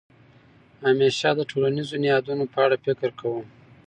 همېشه د ټولنیزو نهادونو په اړه فکر کوم.